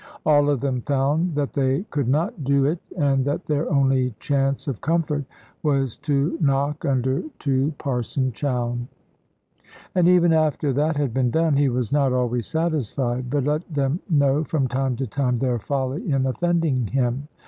All of them found that they could not do it, and that their only chance of comfort was to knock under to Parson Chowne. And even after that had been done, he was not always satisfied, but let them know from time to time their folly in offending him.